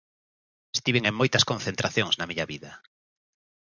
Estiven en moitas concentracións na miña vida.